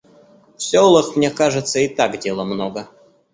В селах, мне кажется, и так дела много.